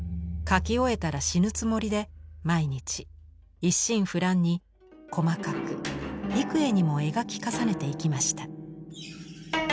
描き終えたら死ぬつもりで毎日一心不乱に細かく幾重にも描き重ねていきました。